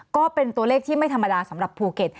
ก็เป็นตัวเลขที่ไม่ธรรมดาสำหรับภูเก็ต